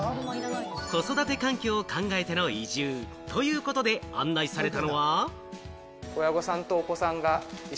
子育て環境を考えての移住ということで案内されたのは。